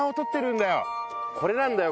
これなんだよ！